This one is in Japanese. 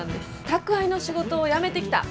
宅配の仕事辞めてきた。